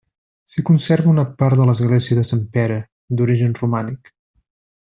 S'hi conserva una part de l'església de Sant Pere, d'origen romànic.